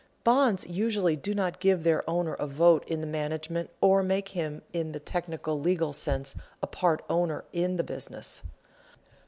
Bonds usually do not give their owner a vote in the management or make him in the technical legal sense a part owner in the business.